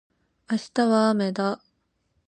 明日はあめだ